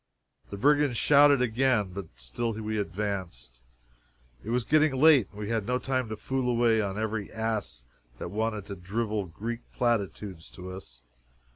The brigand shouted again, but still we advanced. It was getting late, and we had no time to fool away on every ass that wanted to drivel Greek platitudes to us.